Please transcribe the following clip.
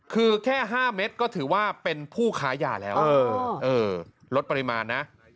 คือแค่๕เม็ดก็ถือว่าเป็นผู้ค้ายาแล้วลดปริมาณนะ